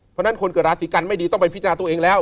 เพราะฉะนั้นคนเกิดราศีกันไม่ดีต้องไปพิจารณาตัวเองแล้ว